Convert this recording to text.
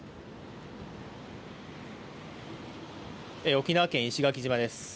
沖縄県石垣島です。